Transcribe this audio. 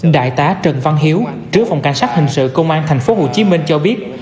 đại tá trần văn hiếu trứa phòng cảnh sát hình sự công an thành phố hồ chí minh cho biết